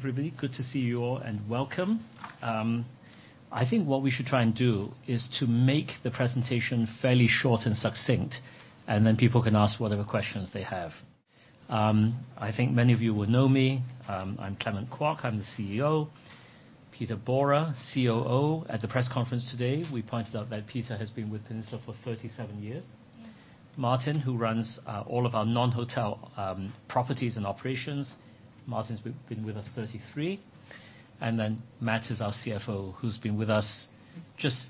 Hey everybody. Good to see you all and welcome. I think what we should try and do is to make the presentation fairly short and succinct, and then people can ask whatever questions they have. I think many of you will know me. I'm Clement Kwok, I'm the CEO. Peter Borer, COO. At the press conference today, we pointed out that Peter has been with Peninsula for 37 years. Martyn, who runs all of our non-hotel properties and operations. Martyn's been with us 33. Matt is our CFO who's been with us just-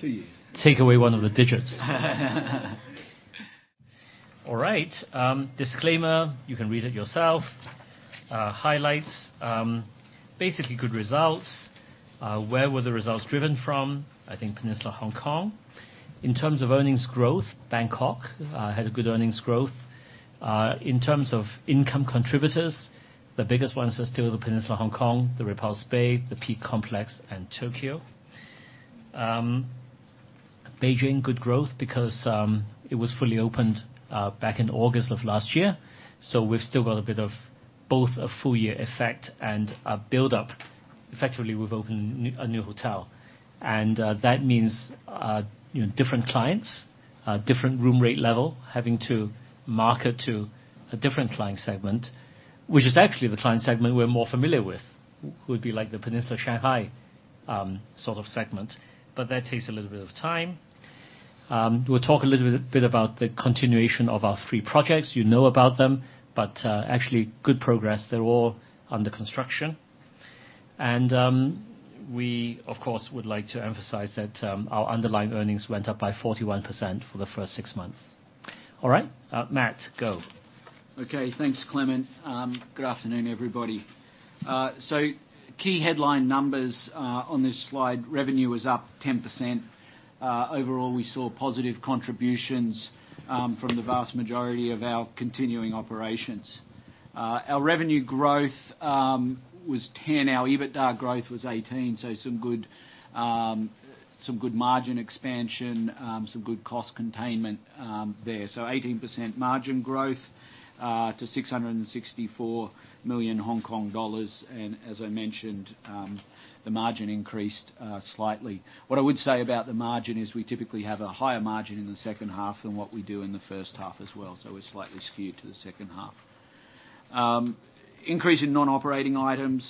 Two years take away one of the digits. All right. Disclaimer, you can read it yourself. Highlights, basically good results. Where were the results driven from? I think The Peninsula Hong Kong. In terms of earnings growth, Bangkok had a good earnings growth. In terms of income contributors, the biggest ones are still The Peninsula Hong Kong, The Repulse Bay, the Peak complex, and The Peninsula Tokyo. The Peninsula Beijing, good growth because it was fully opened back in August of last year, so we've still got a bit of both a full year effect and a buildup. Effectively, we've opened a new hotel. That means different clients, different room rate level, having to market to a different client segment, which is actually the client segment we're more familiar with, would be like The Peninsula Shanghai sort of segment. That takes a little bit of time. We'll talk a little bit about the continuation of our three projects. You know about them, but actually good progress. They're all under construction. We, of course, would like to emphasize that our underlying earnings went up by 41% for the first six months. All right. Matt, go. Okay. Thanks, Clement. Good afternoon, everybody. Key headline numbers on this slide, revenue was up 10%. Overall, we saw positive contributions from the vast majority of our continuing operations. Our revenue growth was 10%, our EBITDA growth was 18%, some good margin expansion, some good cost containment there. 18% margin growth to 664 million Hong Kong dollars. As I mentioned, the margin increased slightly. What I would say about the margin is we typically have a higher margin in the second half than what we do in the first half as well. We're slightly skewed to the second half. Increase in non-operating items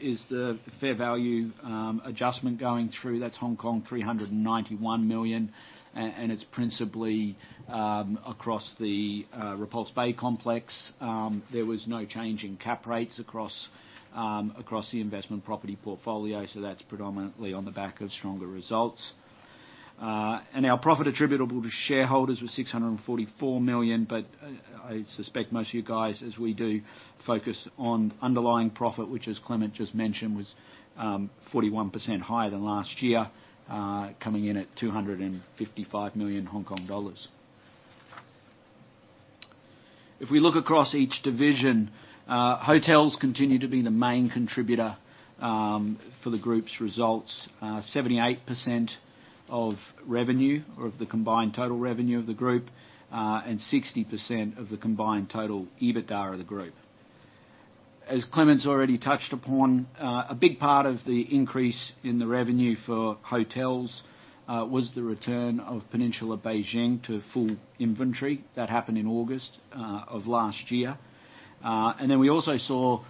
is the fair value adjustment going through. That's 391 million, and it's principally across The Repulse Bay complex. There was no change in cap rates across the investment property portfolio, that's predominantly on the back of stronger results. Our profit attributable to shareholders was 644 million. I suspect most of you guys, as we do, focus on underlying profit, which as Clement just mentioned, was 41% higher than last year, coming in at 255 million Hong Kong dollars. If we look across each division, hotels continue to be the main contributor for the group's results. 78% of revenue or of the combined total revenue of the group, and 60% of the combined total EBITDA of the group. As Clement's already touched upon, a big part of the increase in the revenue for hotels was the return of The Peninsula Beijing to full inventory. That happened in August of last year. We also saw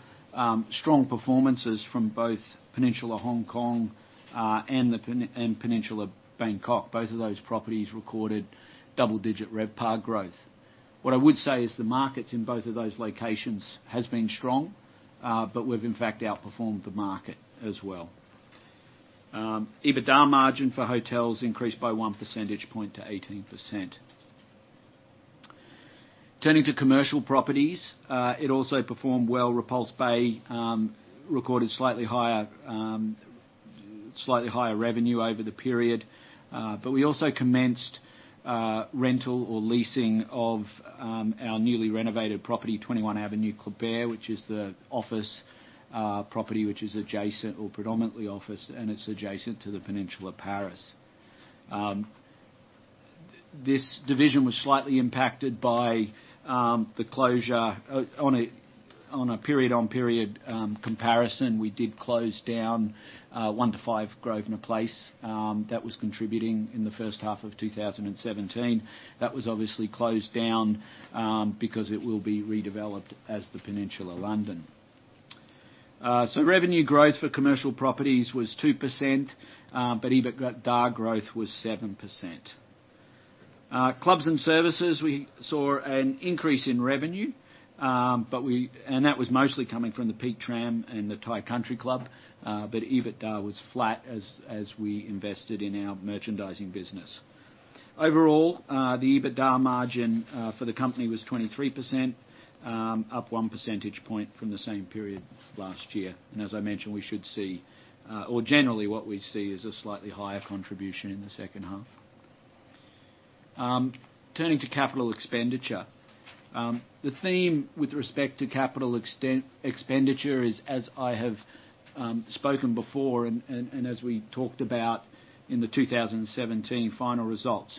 strong performances from both The Peninsula Hong Kong and The Peninsula Bangkok. Both of those properties recorded double-digit RevPAR growth. What I would say is the markets in both of those locations have been strong, but we've in fact outperformed the market as well. EBITDA margin for hotels increased by one percentage point to 18%. Turning to commercial properties. It also performed well. The Repulse Bay recorded slightly higher revenue over the period. We also commenced rental or leasing of our newly renovated property, 21 Avenue Kléber, which is the office property which is adjacent, or predominantly office, and it's adjacent to The Peninsula Paris. This division was slightly impacted by the closure. On a period-on-period comparison, we did close down 1-5 Grosvenor Place. That was contributing in the first half of 2017. That was obviously closed down because it will be redeveloped as The Peninsula London. Revenue growth for commercial properties was 2%, but EBITDA growth was 7%. Clubs and services, we saw an increase in revenue, and that was mostly coming from the Peak Tram and the Thai Country Club. EBITDA was flat as we invested in our merchandising business. Overall, the EBITDA margin for the company was 23%, up one percentage point from the same period last year. As I mentioned, we should see, or generally what we see, is a slightly higher contribution in the second half. Turning to capital expenditure. The theme with respect to capital expenditure is as I have spoken before and as we talked about in the 2017 final results.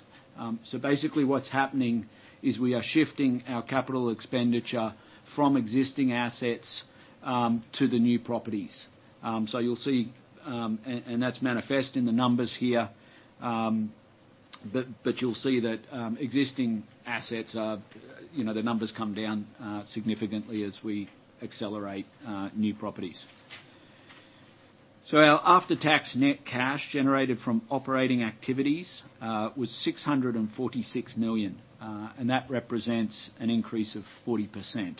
Basically what's happening is we are shifting our capital expenditure from existing assets to the new properties. That's manifest in the numbers here, but you'll see that existing assets, the numbers come down significantly as we accelerate new properties. Our after-tax net cash generated from operating activities was 646 million, and that represents an increase of 40%.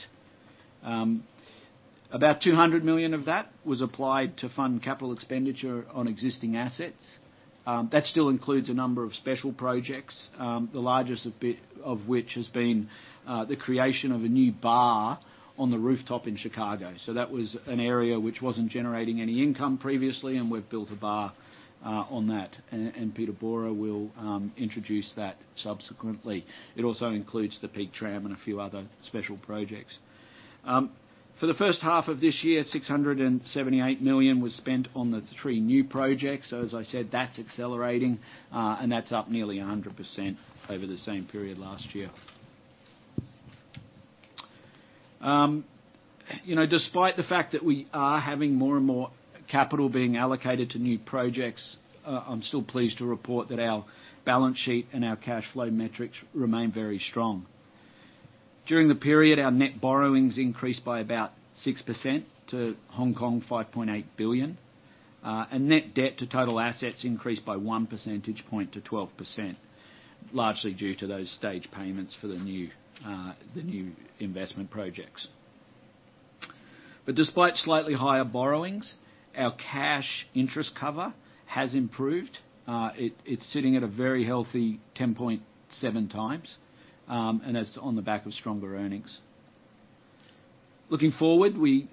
About 200 million of that was applied to fund capital expenditure on existing assets. That still includes a number of special projects, the largest of which has been the creation of a new bar on the rooftop in The Peninsula Chicago. That was an area which wasn't generating any income previously, and we've built a bar on that. Peter Borer will introduce that subsequently. It also includes the Peak Tram and a few other special projects. For the first half of this year, 678 million was spent on the three new projects. As I said, that's accelerating, and that's up nearly 100% over the same period last year. Despite the fact that we are having more and more capital being allocated to new projects, I'm still pleased to report that our balance sheet and our cash flow metrics remain very strong. During the period, our net borrowings increased by about 6% to 5.8 billion, and net debt to total assets increased by one percentage point to 12%, largely due to those stage payments for the new investment projects. Despite slightly higher borrowings, our cash interest cover has improved. It's sitting at a very healthy 10.7 times, and that's on the back of stronger earnings. Looking forward, we,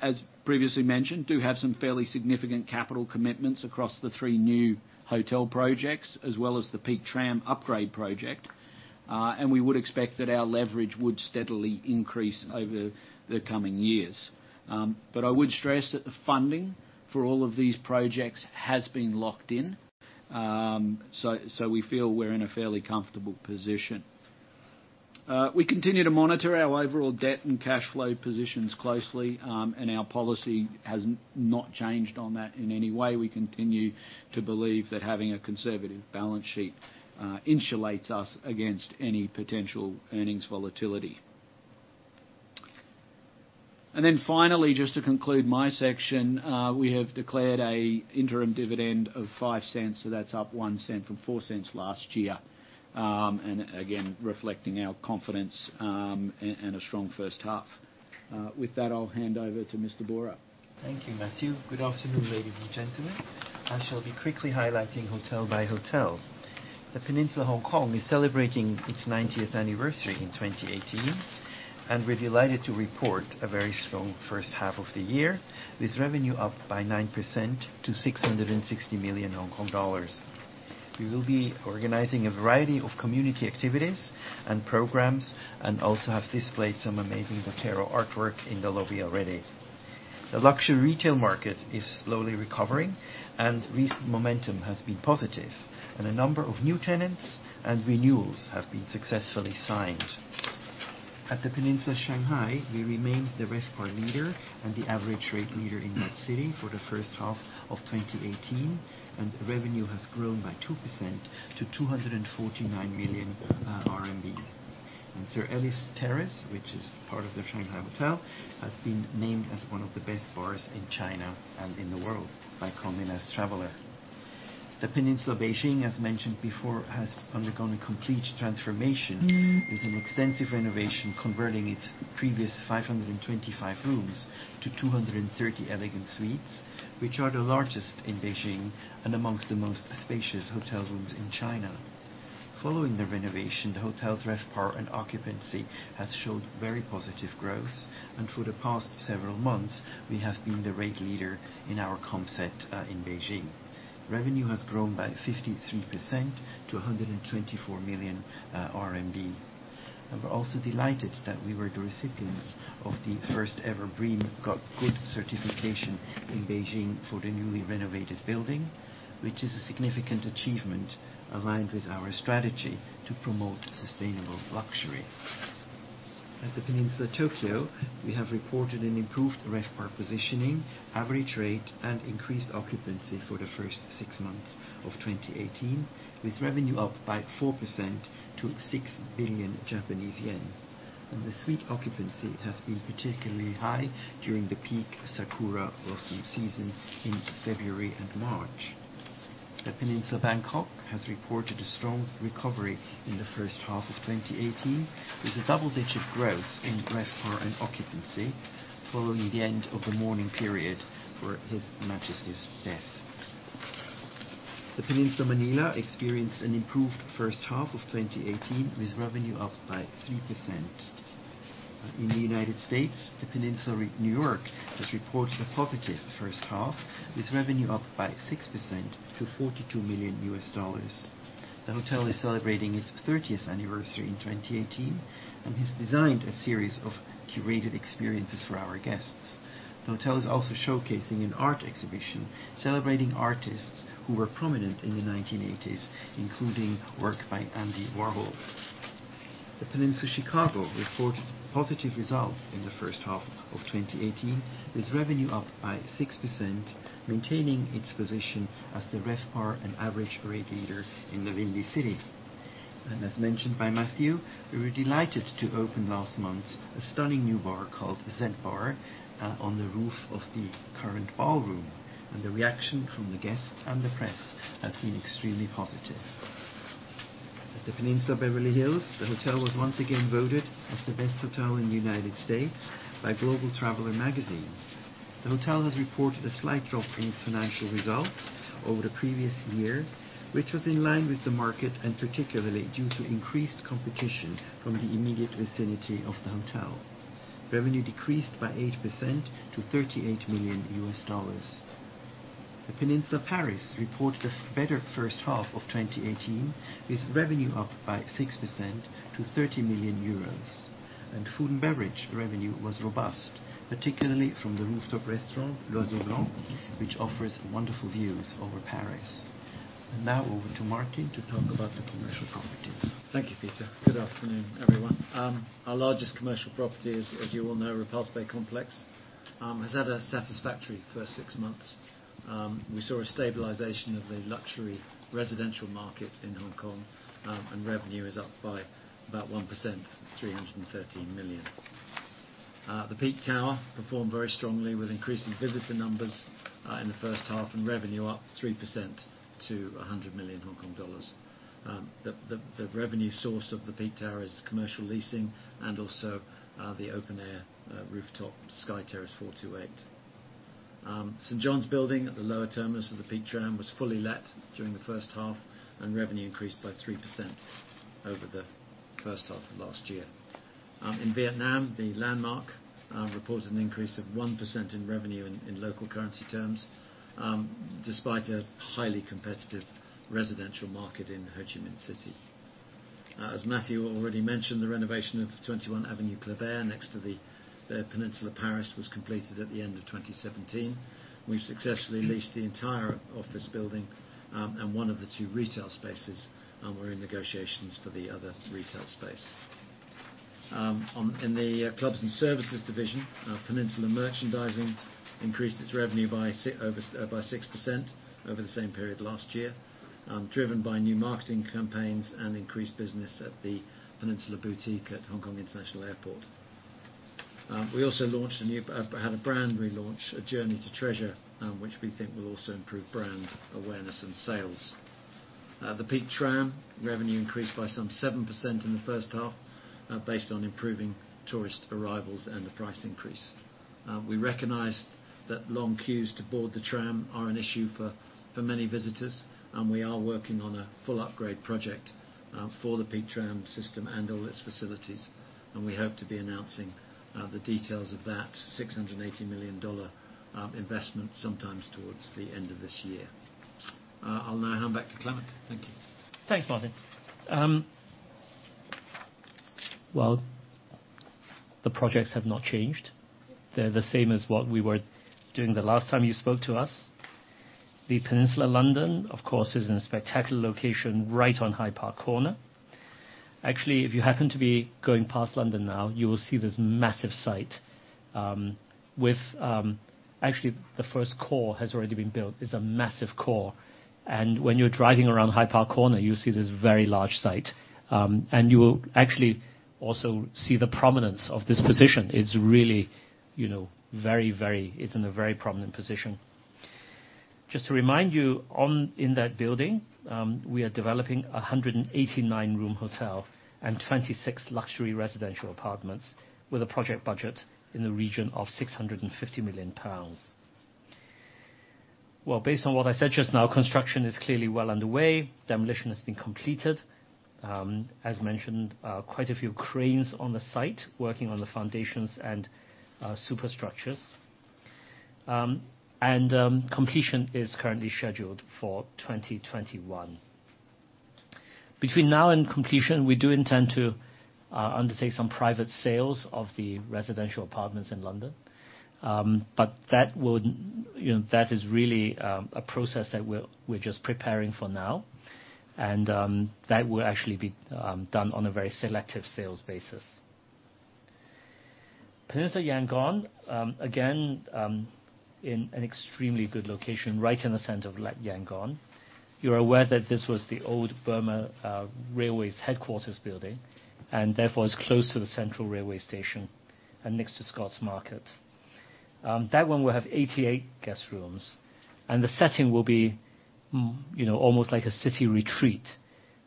as previously mentioned, do have some fairly significant capital commitments across the three new hotel projects as well as the Peak Tram upgrade project. We would expect that our leverage would steadily increase over the coming years. I would stress that the funding for all of these projects has been locked in. We feel we're in a fairly comfortable position. We continue to monitor our overall debt and cash flow positions closely, and our policy has not changed on that in any way. We continue to believe that having a conservative balance sheet insulates us against any potential earnings volatility. Finally, just to conclude my section, we have declared an interim dividend of 0.05, that's up 0.01 from 0.04 last year. Again, reflecting our confidence in a strong first half. With that, I'll hand over to Mr. Borer. Thank you, Matthew. Good afternoon, ladies and gentlemen. I shall be quickly highlighting hotel by hotel. The Peninsula Hong Kong is celebrating its 90th anniversary in 2018. We're delighted to report a very strong first half of the year, with revenue up by 9% to 660 million Hong Kong dollars. We will be organizing a variety of community activities and programs and also have displayed some amazing Botero artwork in the lobby already. The luxury retail market is slowly recovering. Recent momentum has been positive, and a number of new tenants and renewals have been successfully signed. At The Peninsula Shanghai, we remained the RevPAR leader and the average rate leader in that city for the first half of 2018. Revenue has grown by 2% to 249 million RMB. Sir Elly's Terrace, which is part of The Peninsula Shanghai, has been named as one of the best bars in China and in the world by Condé Nast Traveler. The Peninsula Beijing, as mentioned before, has undergone a complete transformation with an extensive renovation, converting its previous 525 rooms to 230 elegant suites, which are the largest in Beijing and amongst the most spacious hotel rooms in China. Following the renovation, the hotel's RevPAR and occupancy has showed very positive growth, and for the past several months, we have been the rate leader in our comp set in Beijing. Revenue has grown by 53% to 124 million RMB. We are also delighted that we were the recipients of the first ever BREEAM Good certification in Beijing for the newly renovated building, which is a significant achievement aligned with our strategy to promote sustainable luxury. The Peninsula Tokyo, we have reported an improved RevPAR positioning, average rate, and increased occupancy for the first 6 months of 2018, with revenue up by 4% to 6 billion Japanese yen. The suite occupancy has been particularly high during the peak sakura blossom season in February and March. The Peninsula Bangkok has reported a strong recovery in the first half of 2018, with a double-digit growth in RevPAR and occupancy following the end of the mourning period for His Majesty's death. The Peninsula Manila experienced an improved first half of 2018, with revenue up by 3%. In the U.S., The Peninsula New York has reported a positive first half, with revenue up by 6% to $42 million. The hotel is celebrating its 30th anniversary in 2018 and has designed a series of curated experiences for our guests. The hotel is also showcasing an art exhibition celebrating artists who were prominent in the 1980s, including work by Andy Warhol. The Peninsula Chicago reported positive results in the first half of 2018, with revenue up by 6%, maintaining its position as the RevPAR and average rate leader in the Windy City. As mentioned by Matthew, we were delighted to open last month a stunning new bar called Z Bar on the roof of the current ballroom, and the reaction from the guests and the press has been extremely positive. At The Peninsula Beverly Hills, the hotel was once again voted as the best hotel in the U.S. by Global Traveler magazine. The hotel has reported a slight drop in its financial results over the previous year, which was in line with the market and particularly due to increased competition from the immediate vicinity of the hotel. Revenue decreased by 8% to $38 million. The Peninsula Paris reported a better first half of 2018, with revenue up by 6% to €30 million. Food and beverage revenue was robust, particularly from the rooftop restaurant, L'Oiseau Blanc, which offers wonderful views over Paris. Now over to Martyn to talk about the commercial properties. Thank you, Peter. Good afternoon, everyone. Our largest commercial property, as you all know, The Repulse Bay Complex, has had a satisfactory first six months. We saw a stabilization of the luxury residential market in Hong Kong, and revenue is up by about 1% to 313 million. The Peak Tower performed very strongly with increasing visitor numbers in the first half, and revenue up 3% to 100 million Hong Kong dollars. The revenue source of The Peak Tower is commercial leasing and also the open-air rooftop Sky Terrace 428. St. John's Building at the lower terminus of the Peak Tram was fully let during the first half, and revenue increased by 3% over the first half of last year. In Vietnam, The Landmark reported an increase of 1% in revenue in local currency terms, despite a highly competitive residential market in Ho Chi Minh City. As Matthew already mentioned, the renovation of 21 Avenue Kleber next to The Peninsula Paris was completed at the end of 2017. We've successfully leased the entire office building and one of the two retail spaces, and we're in negotiations for the other retail space. In the clubs and services division, Peninsula Merchandising increased its revenue by 6% over the same period last year, driven by new marketing campaigns and increased business at The Peninsula boutique at Hong Kong International Airport. We also had a brand relaunch, A Journey to Treasure, which we think will also improve brand awareness and sales. The Peak Tram revenue increased by some 7% in the first half based on improving tourist arrivals and the price increase. We recognized that long queues to board the tram are an issue for many visitors. We are working on a full upgrade project for the Peak Tram system and all its facilities, and we hope to be announcing the details of that 680 million dollar investment sometime towards the end of this year. I'll now hand back to Clement. Thank you. Thanks, Martyn. Well, the projects have not changed. They're the same as what we were doing the last time you spoke to us. The Peninsula London, of course, is in a spectacular location right on Hyde Park Corner. Actually, if you happen to be going past London now, you will see this massive site. Actually, the first core has already been built. It's a massive core. And when you're driving around Hyde Park Corner, you see this very large site. And you will actually also see the prominence of this position. It's in a very prominent position. Just to remind you, in that building, we are developing a 189-room hotel and 26 luxury residential apartments with a project budget in the region of 650 million pounds. Well, based on what I said just now, construction is clearly well underway. Demolition has been completed. As mentioned, quite a few cranes on the site working on the foundations and superstructures. Completion is currently scheduled for 2021. Between now and completion, we do intend to undertake some private sales of the residential apartments in London. That is really a process that we're just preparing for now, and that will actually be done on a very selective sales basis. The Peninsula Yangon, again, in an extremely good location, right in the center of Yangon. You're aware that this was the old Burma Railways headquarters building, and therefore it's close to the central railway station and next to Scott's Market. That one will have 88 guest rooms, and the setting will be almost like a city retreat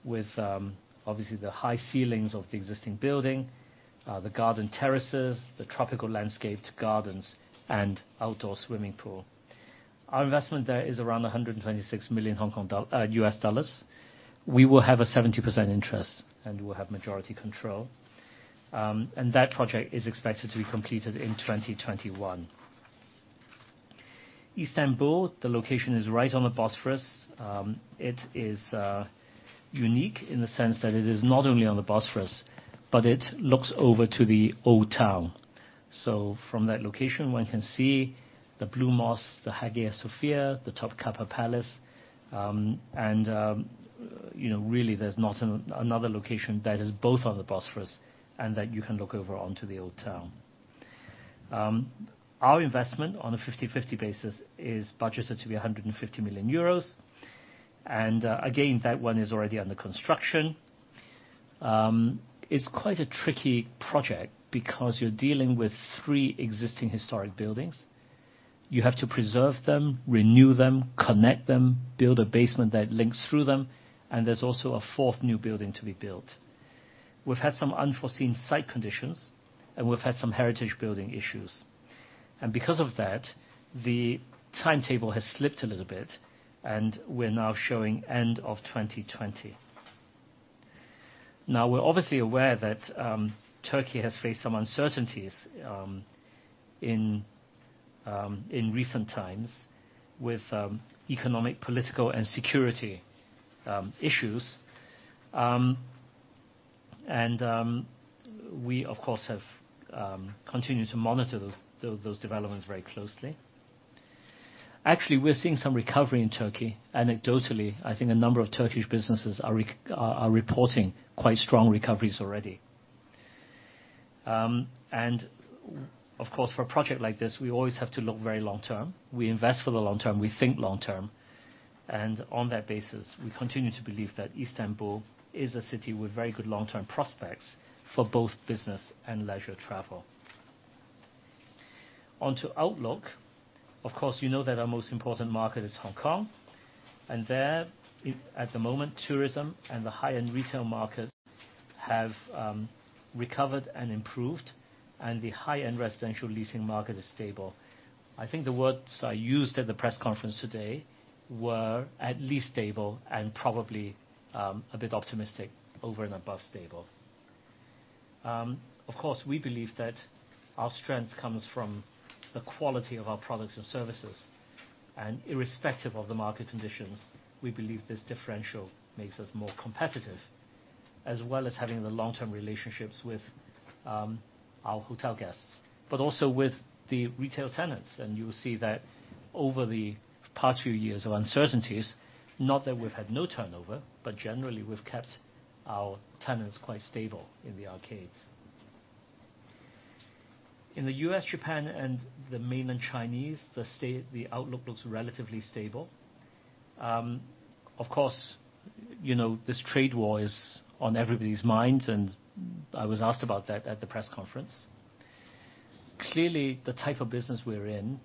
with obviously the high ceilings of the existing building, the garden terraces, the tropical landscaped gardens, and outdoor swimming pool. Our investment there is around $126 million U.S. dollars. We will have a 70% interest, we'll have majority control. That project is expected to be completed in 2021. Istanbul, the location is right on the Bosphorus. It is unique in the sense that it is not only on the Bosphorus, but it looks over to the old town. From that location, one can see the Blue Mosque, the Hagia Sophia, the Topkapı Palace, and really, there's not another location that is both on the Bosphorus and that you can look over onto the old town. Our investment on a 50/50 basis is budgeted to be €150 million. Again, that one is already under construction. It's quite a tricky project because you're dealing with three existing historic buildings. You have to preserve them, renew them, connect them, build a basement that links through them, and there's also a fourth new building to be built. We've had some unforeseen site conditions, we've had some heritage building issues. Because of that, the timetable has slipped a little bit, and we're now showing end of 2020. We're obviously aware that Turkey has faced some uncertainties in recent times with economic, political, and security issues. We, of course, have continued to monitor those developments very closely. Actually, we're seeing some recovery in Turkey. Anecdotally, I think a number of Turkish businesses are reporting quite strong recoveries already. Of course, for a project like this, we always have to look very long-term. We invest for the long term, we think long term, and on that basis, we continue to believe that Istanbul is a city with very good long-term prospects for both business and leisure travel. On to outlook. Of course, you know that our most important market is Hong Kong. There, at the moment, tourism and the high-end retail market have recovered and improved, and the high-end residential leasing market is stable. I think the words I used at the press conference today were at least stable, and probably a bit optimistic, over and above stable. Of course, we believe that our strength comes from the quality of our products and services. Irrespective of the market conditions, we believe this differential makes us more competitive, as well as having the long-term relationships with our hotel guests, but also with the retail tenants. You'll see that over the past few years of uncertainties, not that we've had no turnover, but generally, we've kept our tenants quite stable in the arcades. In the U.S., Japan, and the mainland Chinese, the outlook looks relatively stable. Of course, this trade war is on everybody's minds. I was asked about that at the press conference. Clearly, the type of business we're in,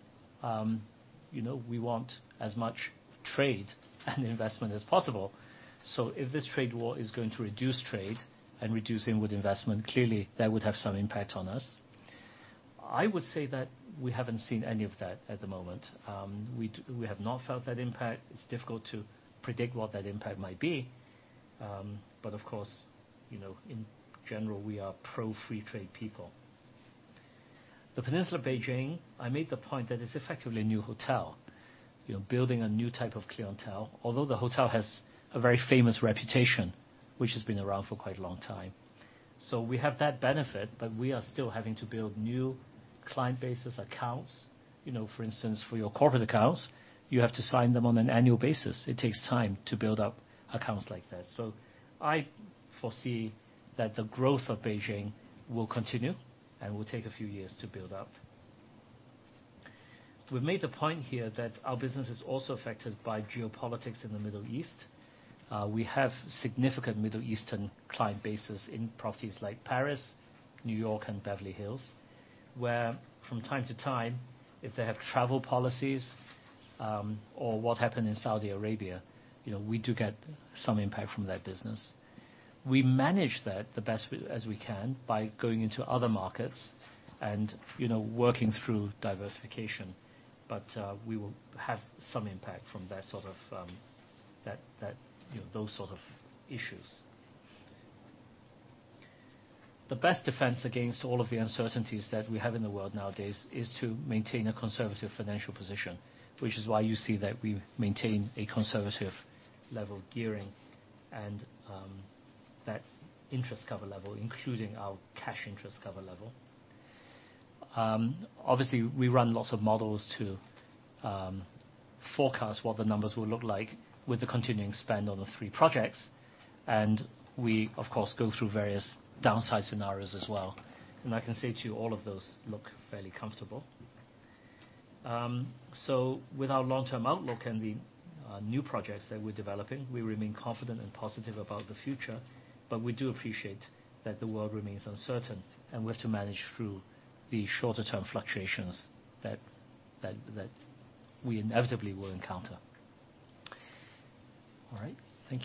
we want as much trade and investment as possible. If this trade war is going to reduce trade and reduce inward investment, clearly, that would have some impact on us. I would say that we haven't seen any of that at the moment. We have not felt that impact. It's difficult to predict what that impact might be. Of course, in general, we are pro-free trade people. The Peninsula Beijing, I made the point that it's effectively a new hotel. Building a new type of clientele. Although the hotel has a very famous reputation, which has been around for quite a long time. We have that benefit, but we are still having to build new client basis accounts. For instance, for your corporate accounts, you have to sign them on an annual basis. It takes time to build up accounts like that. I foresee that the growth of Beijing will continue and will take a few years to build up. We've made the point here that our business is also affected by geopolitics in the Middle East. We have significant Middle Eastern client bases in properties like Paris, New York, and Beverly Hills, where from time to time, if they have travel policies or what happened in Saudi Arabia, we do get some impact from that business. We manage that the best as we can by going into other markets and working through diversification. We will have some impact from those sort of issues. The best defense against all of the uncertainties that we have in the world nowadays is to maintain a conservative financial position, which is why you see that we maintain a conservative level of gearing and that interest cover level, including our cash interest cover level. Obviously, we run lots of models to forecast what the numbers will look like with the continuing spend on the three projects. We, of course, go through various downside scenarios as well. I can say to you, all of those look fairly comfortable. With our long-term outlook and the new projects that we're developing, we remain confident and positive about the future, but we do appreciate that the world remains uncertain, and we have to manage through the shorter term fluctuations that we inevitably will encounter. All right. Thank you